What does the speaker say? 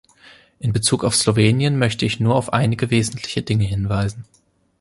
In bezug auf Slowenien möchte ich nur auf einige wesentliche Dinge hinweisen.